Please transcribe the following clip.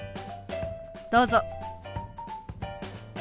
どうぞ。